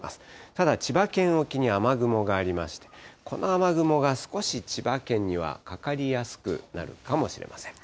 ただ千葉県沖に雨雲がありまして、この雨雲が少し千葉県にはかかりやすくなるかもしれません。